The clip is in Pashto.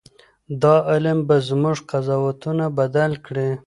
دا علم به زموږ قضاوتونه بدل کړي.